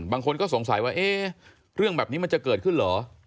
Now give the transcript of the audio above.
บางคนก็สงสัยว่าเอ๊ะเรื่องแบบนี้มันจะเกิดขึ้นเหรอ